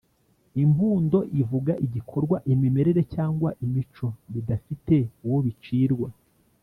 imbundo ivuga igikorwa, imimerere cyangwa imico bidafite uwo bicirwa